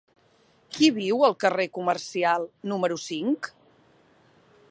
Qui viu al carrer Comercial número cinc?